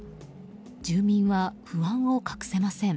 住民は不安を隠せません。